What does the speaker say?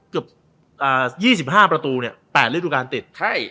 เกือบ๒๕ประตูเนี่ย๘ฤดูการติดใช่